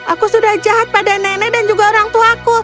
aku sudah jahat pada nenek dan juga orang tuaku